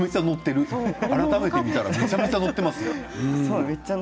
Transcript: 改めて見るとめちゃくちゃ載っていますね。